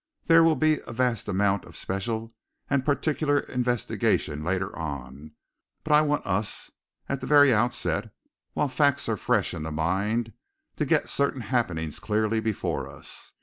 There will be a vast amount of special and particular investigation later on, but I want us, at the very outset, while facts are fresh in the mind, to get certain happenings clearly before us.